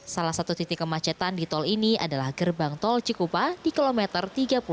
salah satu titik kemacetan di tol ini adalah gerbang tol cikupa di kilometer tiga puluh